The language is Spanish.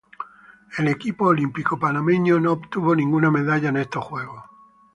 El equipo olímpico panameño no obtuvo ninguna medalla en estos Juegos.